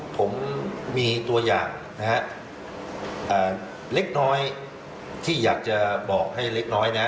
ผมมีตัวอย่างนะฮะเล็กน้อยที่อยากจะบอกให้เล็กน้อยนะ